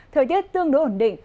thời tiết tương đối ổn định